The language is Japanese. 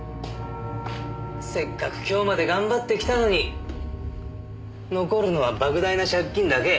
せっかく今日まで頑張ってきたのに残るのは莫大な借金だけ。